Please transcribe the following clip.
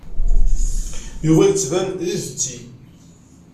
Yuba yettban d idetti.